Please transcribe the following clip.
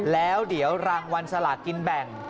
แล้วเดี๋ยวรางวัลสลากินแบ่ง